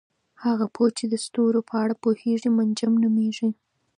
هغه پوه چې د ستورو په اړه پوهیږي منجم نومیږي.